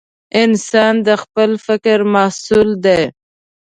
انسان د خپل فکر محصول دی.